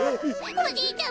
おじいちゃま！